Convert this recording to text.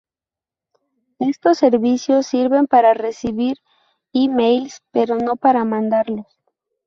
estos servicios sirven para recibir emails pero no para mandarlos